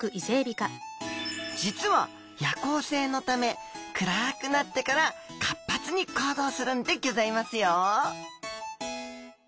実は夜行性のため暗くなってから活発に行動するんでギョざいますよ